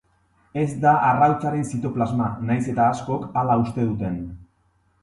Ez da arrautzaren zitoplasma, nahiz eta askok hala uste duten.